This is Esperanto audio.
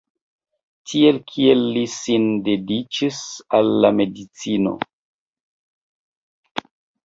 Tiel kiel li sin dediĉis al medicino.